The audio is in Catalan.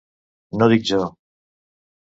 No dic jo!